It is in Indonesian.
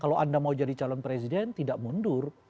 kalau anda mau jadi calon presiden tidak mundur